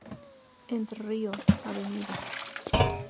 Entre Ríos, Av.